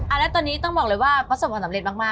แล้วตอนนี้ต้องบอกเลยว่าประสบความสำเร็จมาก